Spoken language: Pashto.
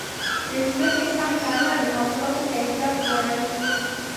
د ځمکې سم کرنه د حاصلاتو کیفیت لوړوي.